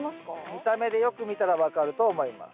見た目でよく見たら分かると思います。